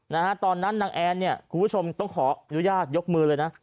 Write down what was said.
นะฮะตอนนั้นนางแอนเนี่ยคุณผู้ชมต้องขออนุญาตยกมือเลยนะ